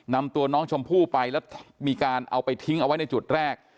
นำตัวน้องชมพู่ไปแล้วมีการเอาไปทิ้งเอาไว้ในจุดแรก